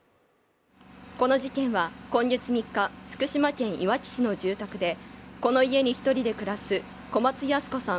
この事件は今月３日福島県いわき市の住宅でこの家に一人で暮らす小松ヤス子さん